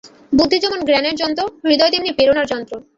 বুদ্ধি যেমন জ্ঞানের যন্ত্র, হৃদয় তেমনি প্রেরণার যন্ত্র।